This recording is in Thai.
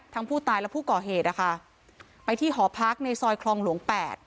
ผู้ตายและผู้ก่อเหตุนะคะไปที่หอพักในซอยคลองหลวง๘